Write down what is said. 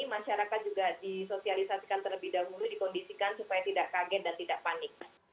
masyarakat juga disosialisasikan terlebih dahulu dikondisikan supaya tidak kaget dan tidak panik